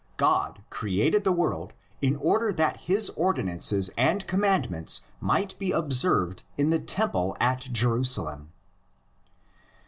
God created the world in order that his ordinances and commandments might be observed in the temple at Jerusalem.